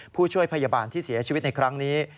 ผู้ช่วยพยาบาลที่เสียชีวิตในครั้งนี้